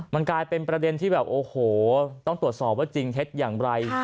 มันกลายเป็นประเด็นที่แบบโอ้โหต้องตรวจสอบว่าจริงเท็จอย่างไร